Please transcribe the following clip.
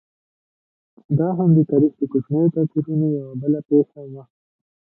دا هم د تاریخ د کوچنیو توپیرونو یوه بله پېښه وه.